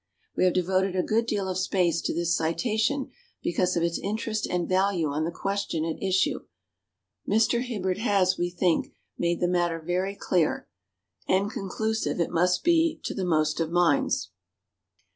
We have devoted a good deal of space to this citation because of its interest and value on the question at issue. Mr. Hibberd has, we think, made the matter very clear, and conclusive it must be to the most of minds.